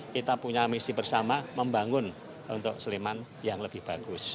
kita punya misi bersama membangun untuk sleman yang lebih bagus